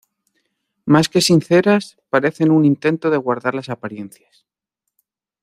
más que sinceras parecen un intento de guardar la apariencias